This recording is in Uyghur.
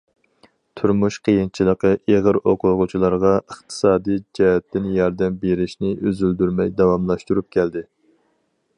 تۇرمۇش قىيىنچىلىقى ئېغىر ئوقۇغۇچىلارغا ئىقتىسادىي جەھەتتىن ياردەم بېرىشنى ئۈزۈلدۈرمەي داۋاملاشتۇرۇپ كەلدى.